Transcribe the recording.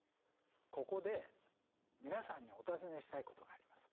ここで皆さんにお尋ねしたいことがあります。